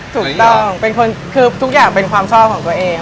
ถูกต้องเป็นคนคือทุกอย่างเป็นความชอบของตัวเอง